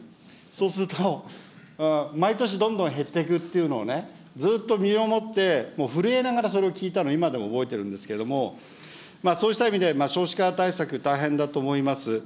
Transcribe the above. そうすると、毎年どんどん減っていくっていうのをずっと身をもって、震えながら、それを聞いたの、今でも覚えてるんですけれども、そうした意味で、少子化対策、大変だと思います。